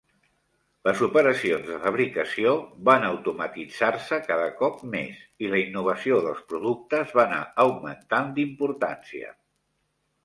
Les operacions de fabricació van automatitzar-se cada cop més i la innovació dels productes va anar augmentant d'importància.